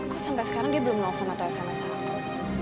kok sampai sekarang dia belum nge offer matau sms aku